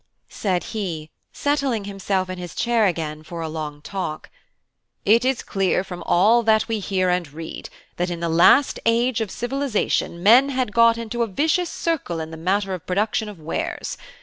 Said he, settling himself in his chair again for a long talk: "It is clear from all that we hear and read, that in the last age of civilisation men had got into a vicious circle in the matter of production of wares.